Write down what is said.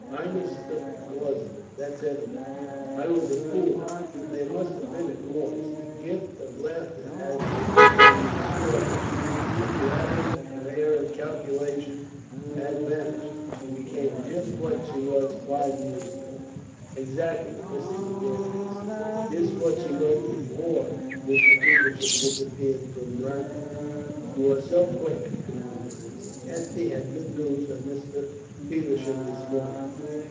I mistook the cause of it, that's evident. I was a fool. But there must have been a cause. The gift of laughter had been restored to her. Her gravity, her air of calculation, had vanished. She became just what she was five years ago." "Exactly," Mrs. Adair answered. "Just what she was before Mr. Feversham disappeared from Ramelton. You are so quick, Colonel Durrance. Ethne had good news of Mr. Feversham this morning."